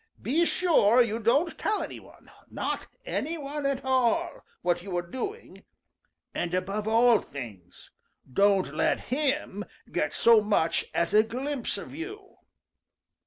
Be sure you don't tell any one, not any one at all, what you are doing, and above all things, don't let him get so much as a glimpse of you."